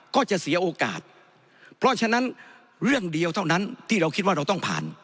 ก็จะเสียโอกาสเพราะฉะนั้นเรื่องเดียวเท่านั้นที่เราคิดว่าเราต้องผ่าน